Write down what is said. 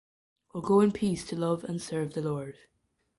or Go in peace to love and serve the Lord.